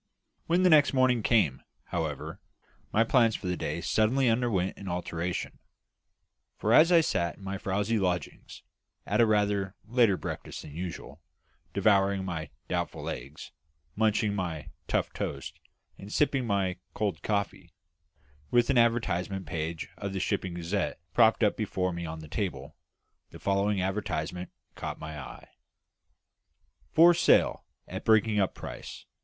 When the next morning came, however, my plans for the day suddenly underwent an alteration; for as I sat in my frowsy lodgings at a rather later breakfast than usual, devouring my doubtful eggs, munching my tough toast, and sipping my cold coffee, with an advertisement page of the Shipping Gazette propped up before me on the table, the following advertisement caught my eye. "For Sale, at Breaking up Price.